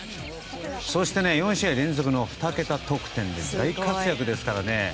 そして、４試合連続の２桁得点で大活躍ですからね。